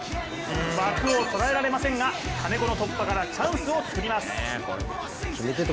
枠を捉えられませんが、金子の突破からチャンスをつくります。